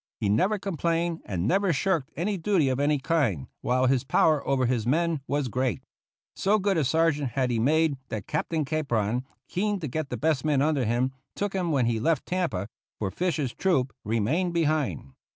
He never complained and never shirked any duty of any kind, while his power over his men was great. So good a sergeant had he made that Captain Capron, keen to get the best men under him, took him when he left Tampa for Fish's troop remained behind.